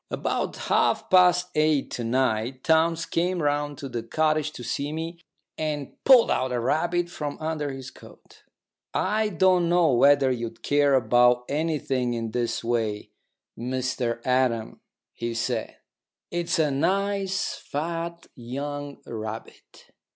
About half past eight to night Townes came round to the cottage to see me, and pulled out a rabbit from under his coat. "I don't know whether you'd care about anything in this way, Mr Adam," he said. "It's a nice fat young rabbit."